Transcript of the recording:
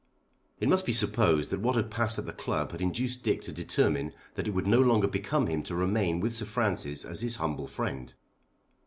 It must be supposed that what had passed at the club had induced Dick to determine that it would no longer become him to remain with Sir Francis as his humble friend.